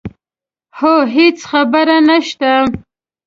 هو هېڅ خبره نه شته.